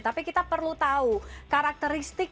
tapi kita perlu tahu karakteristik